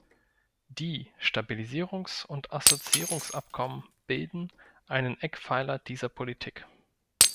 Die Stabilisierungs- und Assoziierungsabkommen bilden einen Eckpfeiler dieser Politik.